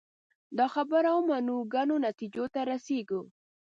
دا خبره ومنو ګڼو نتیجو ته رسېږو